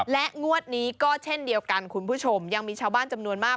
และงวดนี้ก็เช่นเดียวกันคุณผู้ชมยังมีชาวบ้านจำนวนมาก